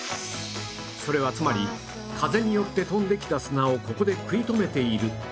それはつまり風によって飛んできた砂をここで食い止めているという証拠